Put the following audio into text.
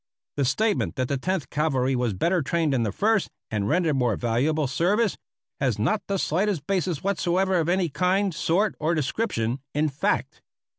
The statement that the Tenth Cavalry was better trained than the First, and rendered more valuable service, has not the slightest basis whatsoever of any kind, sort, or description, in fact.